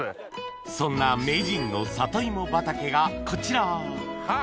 そんな名人の里芋畑がこちらハァ！